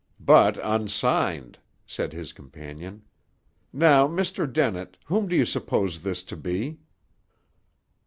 "But unsigned," said his companion. "Now, Mr. Dennett, whom do you suppose this to be?"